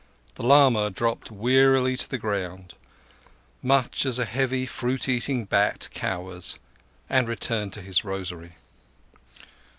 The lama dropped wearily to the ground, much as a heavy fruit eating bat cowers, and returned to his rosary.